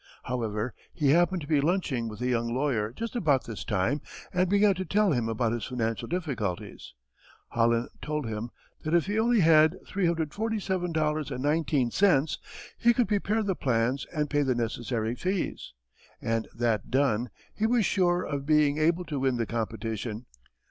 However, he happened to be lunching with a young lawyer just about this time and began to tell him about his financial difficulties. Holland told him that if he only had $347.19 he could prepare the plans and pay the necessary fees. And that done, he was sure of being able to win the competition.